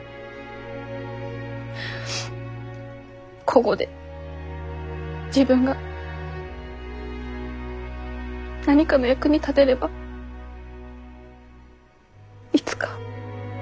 こごで自分が何かの役に立てればいつか。